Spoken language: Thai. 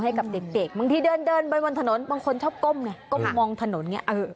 ให้กับเด็กบางทีเดินบนถนนบางคนชอบก้มเนี่ยก้มมองถนนเนี่ย